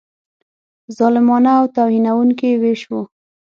ظالمانه او توهینونکی وېش وو.